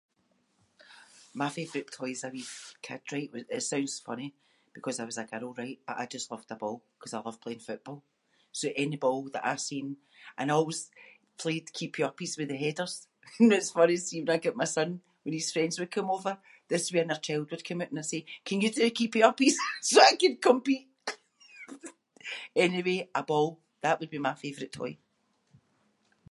My favourite toy as a wee kid, right, it sounds funny because I was a girl, right, but I just loved a ball ‘cause I love playing football. So any ball that I seen- and I always played keepy-uppies with the headers and it’s funny, see when I got my son- when his friends would come over, this wee inner child would come oot and I’d say “can you do keepy-uppies?” so that I could compete. Anyway, a ball, that would be my favourite toy.